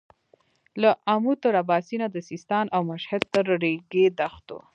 له امو تر اباسينه د سيستان او مشهد تر رېګي دښتو.